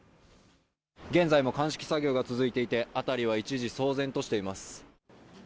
現在も鑑識作業が続いていて辺りは一時騒然としています。